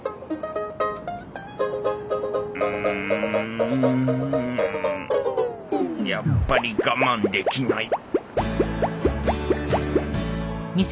うんやっぱり我慢できない